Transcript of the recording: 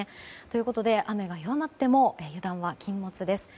ということで、雨が弱まっても油断は禁物です。